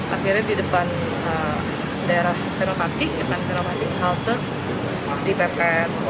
akhirnya di depan daerah stereopati halte di ppn